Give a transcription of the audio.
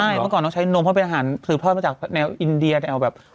ใช่เมื่อก่อนต้องใช้นมเพราะเป็นอาหารสืบทอดมาจากแนวอินเดียแนวแบบ